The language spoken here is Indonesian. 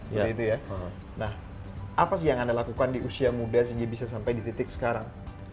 nah apa sih yang anda lakukan di usia muda sehingga bisa sampai di titik sekarang